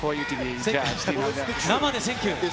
生でセンキュー。